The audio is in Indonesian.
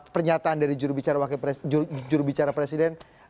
pernyataan dari jurubicara presiden